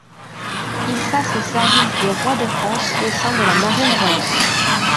Il passe au service du roi de France au sein de la Marine royale.